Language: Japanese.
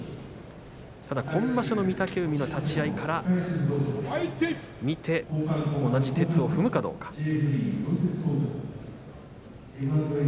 ただ今場所の御嶽海の立ち合いから見て同じてつを踏むかどうか。